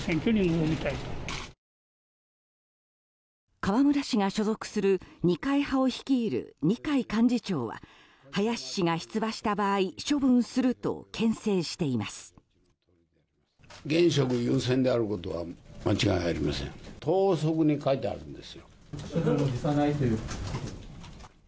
河村氏が所属する二階派を率いる二階幹事長は林氏が出馬した場合処分すると牽制しています。